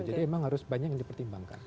jadi memang harus banyak yang dipertimbangkan